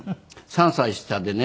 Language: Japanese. ３歳下でね。